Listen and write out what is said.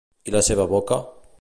I la seva boca?